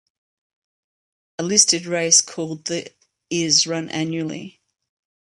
A listed race called the is run annually.